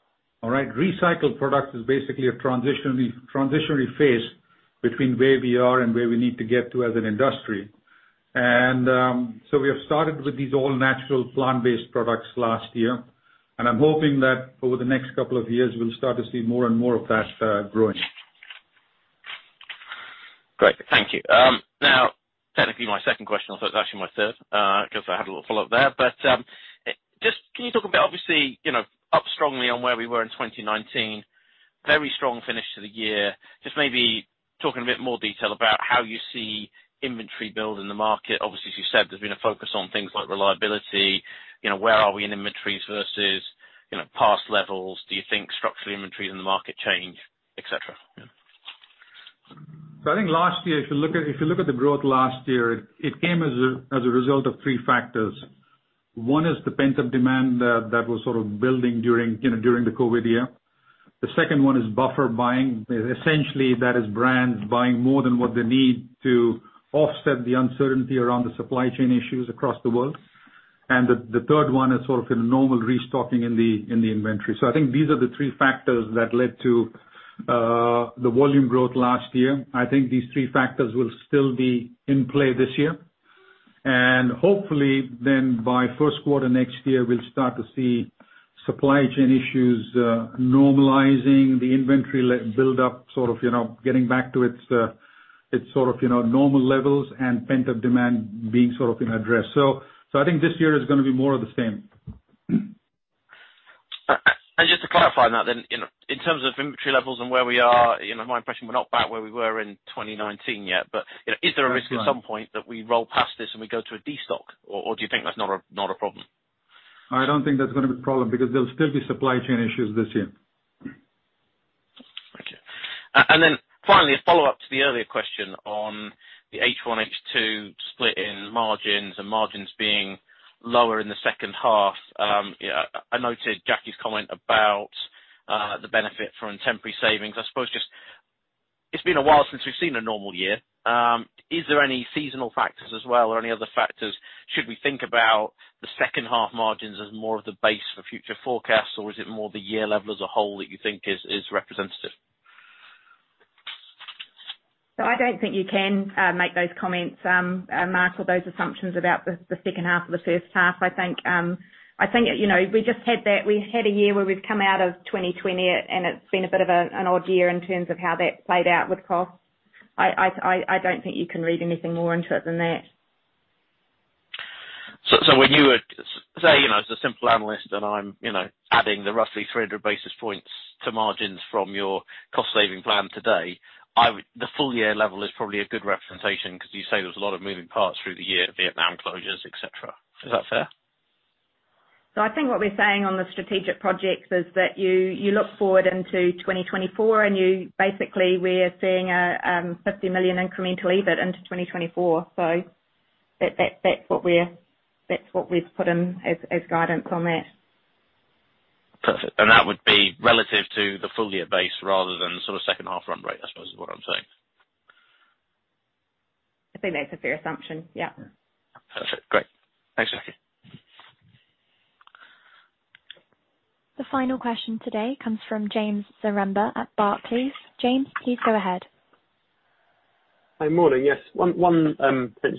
All right? Recycled product is basically a transitionary phase between where we are and where we need to get to as an industry. We have started with these all-natural plant-based products last year, and I'm hoping that over the next couple of years, we'll start to see more and more of that growing. Great. Thank you. Now technically my second question, although it's actually my third, 'cause I had a little follow-up there. Just can you talk a bit. Obviously, you know, up strongly on where we were in 2019. Very strong finish to the year. Just maybe talk in a bit more detail about how you see inventory build in the market. Obviously, as you said, there's been a focus on things like reliability. You know, where are we in inventories versus, you know, past levels? Do you think structural inventories in the market change, et cetera? I think last year, if you look at the growth last year, it came as a result of three factors. One is the pent-up demand that was sort of building during, you know, the COVID year. The second one is buffer buying. Essentially, that is brands buying more than what they need to offset the uncertainty around the supply chain issues across the world. The third one is sort of a normal restocking in the inventory. I think these are the three factors that led to the volume growth last year. I think these three factors will still be in play this year. Hopefully then by Q1 next year we'll start to see supply chain issues normalizing, the inventory buildup, sort of, you know, getting back to its sort of, you know, normal levels and pent-up demand being sort of addressed. I think this year is gonna be more of the same. Just to clarify that then, in terms of inventory levels and where we are. Yeah. You know, my impression we're not back where we were in 2019 yet, but you know. That's right. Is there a risk at some point that we roll past this and we go to a destock? Or do you think that's not a problem? I don't think that's gonna be the problem because there'll still be supply chain issues this year. Thank you. Finally, a follow-up to the earlier question on the H1, H2 split in margins and margins being lower in the H2. I noted Jackie's comment about the benefit from temporary savings. I suppose just it's been a while since we've seen a normal year. Is there any seasonal factors as well or any other factors? Should we think about the H2 margins as more of the base for future forecasts? Or is it more the year level as a whole that you think is representative? I don't think you can make those comments, Mark, or those assumptions about the H2 or the H1. I think, you know, we just had that. We had a year where we've come out of 2020, and it's been a bit of an odd year in terms of how that played out with costs. I don't think you can read anything more into it than that. When you would say, you know, as a simple analyst, and I'm, you know, adding the roughly 300 basis points to margins from your cost saving plan today, the full year level is probably a good representation, 'cause you say there's a lot of moving parts through the year, Vietnam closures, et cetera. Is that fair? I think what we're saying on the strategic projects is that you look forward into 2024 and basically we're seeing a $50 million incremental EBIT into 2024. That's what we've put in as guidance on that. Perfect. That would be relative to the full year base rather than sort of H2 run rate, I suppose is what I'm saying. I think that's a fair assumption. Yeah. Perfect. Great. Thanks, Jackie. The final question today comes from James Zaremba at Barclays. James, please go ahead. Hi. Morning. Yes. One,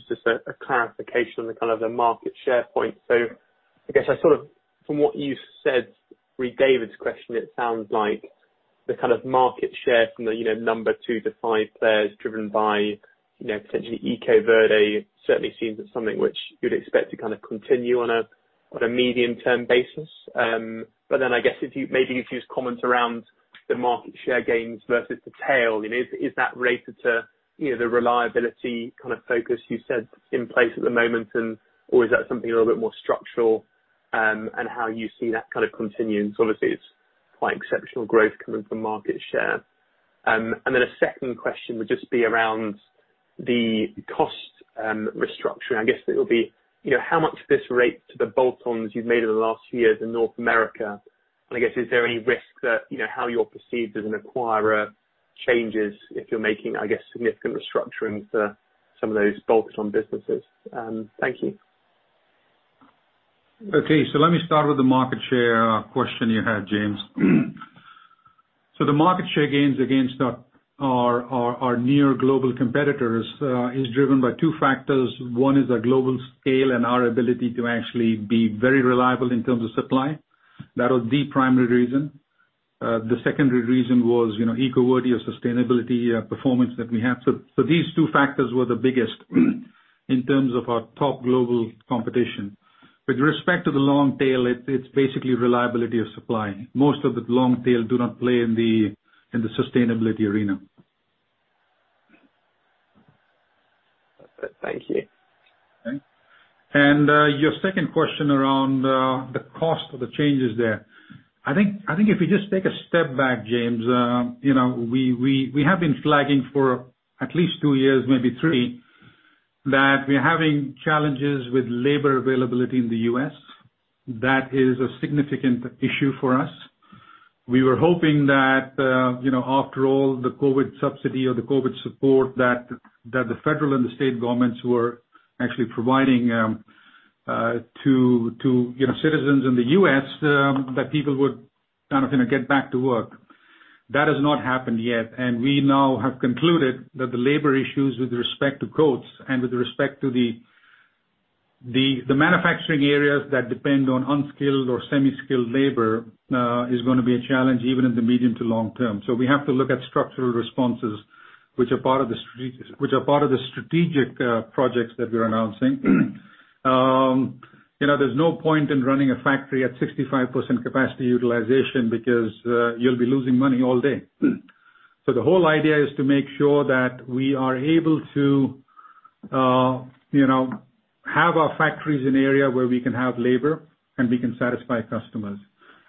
just a clarification on the kind of the market share point. I guess I sort of, from what you said, re David's question, it sounds like the kind of market share from the, you know, number two to five players driven by, you know, potentially EcoVadis, certainly seems it's something which you'd expect to kind of continue on a medium-term basis. But then I guess if you, maybe if you'd comment around the market share gains versus the tail. You know, is that related to, you know, the reliability kind of focus you said is in place at the moment and, or is that something a little bit more structural, and how you see that kind of continuing? Obviously it's quite exceptional growth coming from market share. A second question would just be around the cost restructuring. I guess it'll be, you know, how much of this relates to the bolt-ons you've made over the last few years in North America. I guess is there any risk that, you know, how you're perceived as an acquirer changes if you're making, I guess, significant restructurings to some of those bolt-on businesses? Thank you. Okay, let me start with the market share question you had, James. The market share gains against our near global competitors is driven by two factors. One is our global scale and our ability to actually be very reliable in terms of supply. That was the primary reason. The secondary reason was, you know, EcoVadis or sustainability performance that we have. These two factors were the biggest in terms of our top global competition. With respect to the long tail, it's basically reliability of supply. Most of the long tail do not play in the sustainability arena. Thank you. Your second question around the cost of the changes there. I think if you just take a step back, James, you know, we have been flagging for at least two years, maybe three, that we're having challenges with labor availability in the U.S. That is a significant issue for us. We were hoping that, you know, after all the COVID subsidy or the COVID support that the federal and the state governments were actually providing to you know citizens in the U.S., that people would kind of gonna get back to work. That has not happened yet, and we now have concluded that the labor issues with respect to quotes and with respect to the manufacturing areas that depend on unskilled or semi-skilled labor is gonna be a challenge even in the medium to long term. We have to look at structural responses, which are part of the strategic projects that we're announcing. You know, there's no point in running a factory at 65% capacity utilization because you'll be losing money all day. The whole idea is to make sure that we are able to you know have our factories in an area where we can have labor, and we can satisfy customers.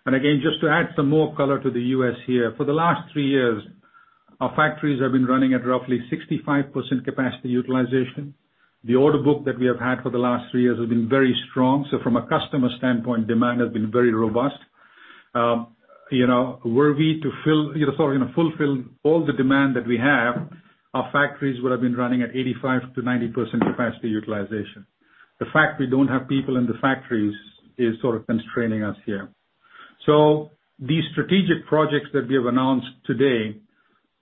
Again, just to add some more color to the U.S. here. For the last three years, our factories have been running at roughly 65% capacity utilization. The order book that we have had for the last three years has been very strong. From a customer standpoint, demand has been very robust. You know, fulfill all the demand that we have, our factories would have been running at 85%-90% capacity utilization. The fact we don't have people in the factories is sort of constraining us here. These strategic projects that we have announced today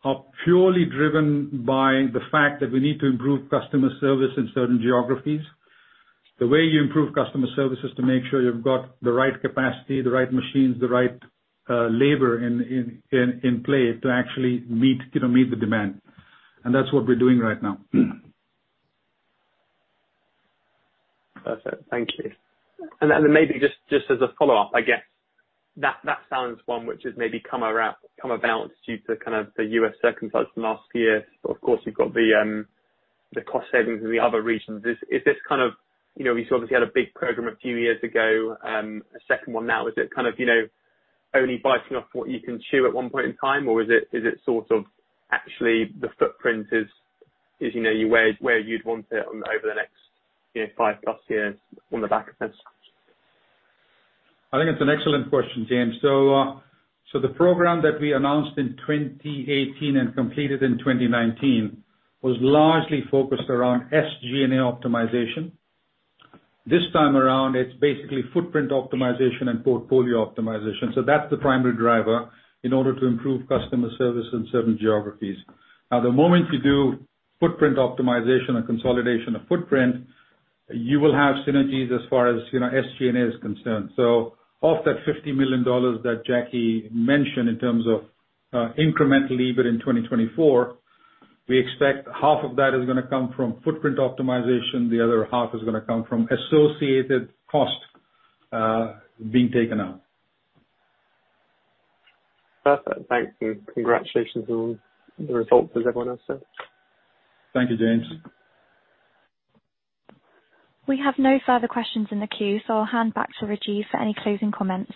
are purely driven by the fact that we need to improve customer service in certain geographies. The way you improve customer service is to make sure you've got the right capacity, the right machines, the right labor in play to actually meet, you know, the demand. That's what we're doing right now. Perfect. Thank you. Maybe just as a follow-up, I guess. That sounds like one which has maybe come about due to kind of the U.S. circumstance from last year. Of course, you've got the cost savings in the other regions. Is this kind of, you know, you sort of had a big program a few years ago, a second one now. Is it kind of, you know, only biting off what you can chew at one point in time? Or is it sort of actually the footprint is, you know, where you'd want it now over the next, you know, five plus years on the back of this? I think that's an excellent question, James. The program that we announced in 2018 and completed in 2019 was largely focused around SG&A optimization. This time around, it's basically footprint optimization and portfolio optimization, so that's the primary driver in order to improve customer service in certain geographies. Now, the moment you do footprint optimization and consolidation of footprint, you will have synergies as far as, you know, SG&A is concerned. Of that $50 million that Jackie mentioned in terms of incrementally, but in 2024, we expect half of that is gonna come from footprint optimization, the other half is gonna come from associated cost being taken out. Perfect. Thank you. Congratulations on the results, as everyone else said. Thank you, James. We have no further questions in the queue, so I'll hand back to Rajiv for any closing comments.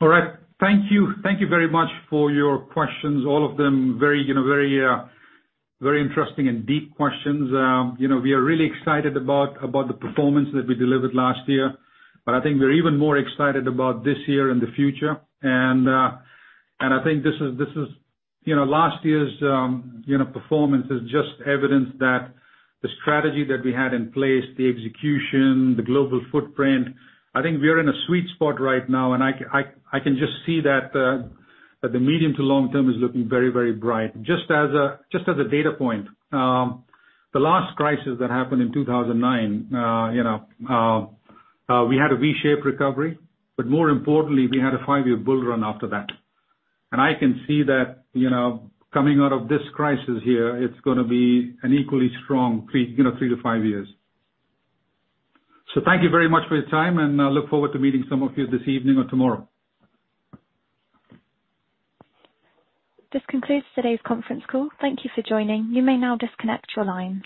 All right. Thank you. Thank you very much for your questions. All of them very, you know, very interesting and deep questions. You know, we are really excited about the performance that we delivered last year. I think we're even more excited about this year and the future. I think this is you know, last year's, you know, performance is just evidence that the strategy that we had in place, the execution, the global footprint. I think we're in a sweet spot right now. I can just see that the medium to long term is looking very bright. Just as a data point. The last crisis that happened in 2009, you know, we had a V-shaped recovery, but more importantly, we had a five-year bull run after that. I can see that, you know, coming out of this crisis here, it's gonna be an equally strong three to five years. Thank you very much for your time, and I look forward to meeting some of you this evening or tomorrow. This concludes today's conference call. Thank you for joining. You may now disconnect your lines.